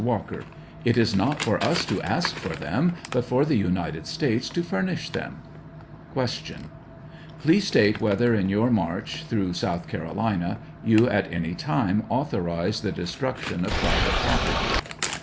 Walker. It is not for us to ask for them, but for the United States to furnish them. Q, Please state whether in your march through South Carolina, you at any time authorized the de struction of private property.